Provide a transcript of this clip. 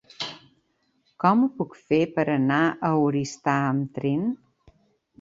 Com ho puc fer per anar a Oristà amb tren?